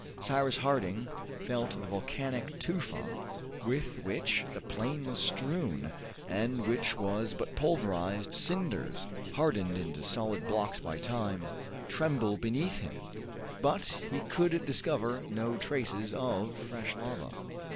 Cyrus Harding felt the volcanic tufa with which the plain was strewn, and which was but pulverized cinders hardened into solid blocks by time, tremble beneath him, but he could discover no traces of fresh lava.